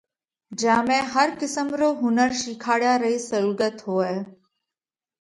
جيا ۾ هر قسم رو هُنر شِيکاڙيا رئِي سئُولڳت هوئہ۔